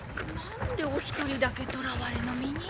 何でお一人だけ捕らわれの身に？